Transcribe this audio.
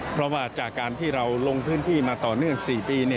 เพราะว่าจากการที่เราลงพื้นที่มาต่อเนื่อง๔ปี